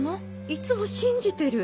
いつも信じてる。